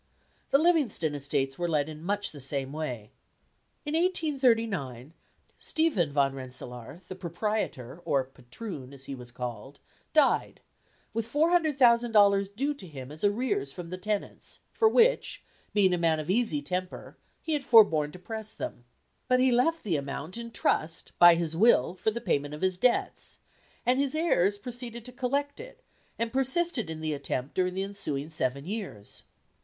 The Livingston estates were let in much the same way. In 1839, Stephen Van Rensselaer, the proprietor, or "Patroon" as he was called, died, with $400,000 due to him as arrears from the tenants, for which, being a man of easy temper, he had forborne to press them. But he left the amount in trust by his will for the payment of his debts, and his heirs proceeded to collect it, and persisted in the attempt during the ensuing seven years.